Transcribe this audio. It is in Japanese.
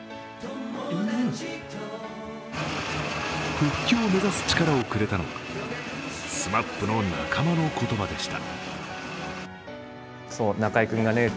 復帰を目指す力をくれたのはＳＭＡＰの仲間の言葉でした。